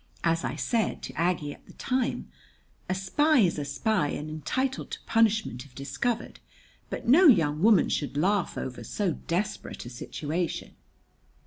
As I said to Aggie at the time: "A spy is a spy and entitled to punishment if discovered; but no young woman should laugh over so desperate a situation."